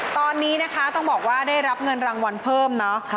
ตอนนี้นะคะต้องบอกว่าได้รับเงินรางวัลเพิ่มเนาะ